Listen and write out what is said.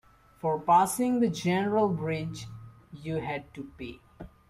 For passing the general bridge, you had to pay.